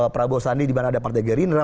prabowo sandi di mana ada partai gerindra